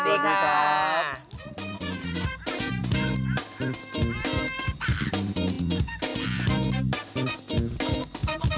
สวัสดีครับ